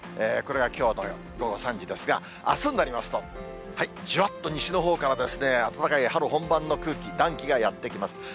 これがきょうの午後３時ですが、あすになりますと、じわっと西のほうから、暖かい春本番の空気、暖気がやって来ます。